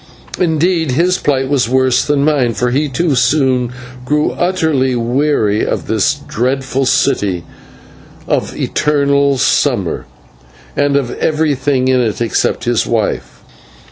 Indeed his plight was worse than mine, for he too soon grew utterly weary of this dreadful city of eternal summer, and of everything in it except his wife.